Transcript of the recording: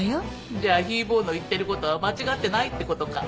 じゃあヒー坊の言ってる事は間違ってないって事か。